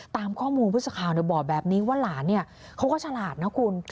ตามข้อมูลผู้สื่อข่าวบอกแบบนี้ว่าหลานเนี่ยเขาก็ฉลาดนะคุณ